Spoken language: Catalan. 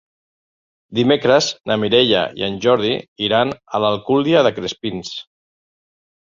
Dimecres na Mireia i en Jordi iran a l'Alcúdia de Crespins.